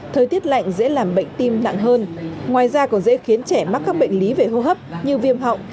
thời tiết lạnh dễ làm bệnh tim nặng hơn ngoài ra còn dễ khiến trẻ mắc các bệnh lý về hô hấp như viêm họng